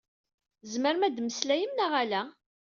Tzemrem ad mmeslayem neɣ ala?